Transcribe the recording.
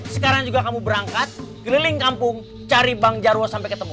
sekarang juga kamu berangkat keliling kampung cari bang jarwo sampai ketemu